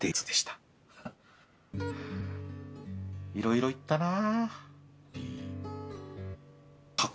いろいろ行ったなぁ。